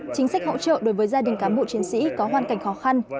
chính sách hỗ trợ đối với gia đình cán bộ chiến sĩ có hoàn cảnh khó khăn